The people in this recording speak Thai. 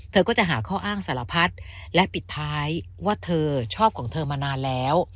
เธอก็จะหาข้ออ้างสารพัดและปิดท้ายว่าเธอชอบของเธอมานานแล้ว